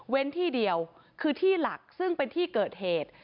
ที่เดียวคือที่หลักซึ่งเป็นที่เกิดเหตุ